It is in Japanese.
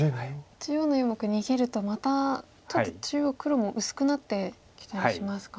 中央の４目逃げるとまたちょっと中央黒も薄くなってきたりしますか？